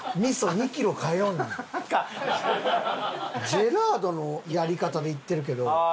ジェラートのやり方でいってるけど。